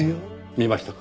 見ましたか？